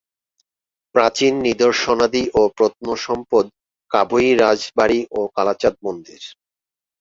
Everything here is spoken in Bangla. প্রাচীন নিদর্শনাদি ও প্রত্নসম্পদ কাবোই রাজবাড়ি ও কালাচাঁদ মন্দির।